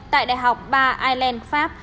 tại đại học ba ireland pháp